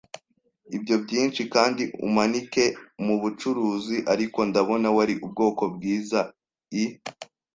ibyo byinshi, kandi umanike mubucuruzi. Ariko ndabona wari ubwoko bwiza. I.